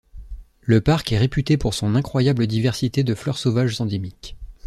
Le parc est réputé pour son incroyable diversité de fleurs sauvages endémiques.